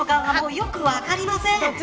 よく分かりません。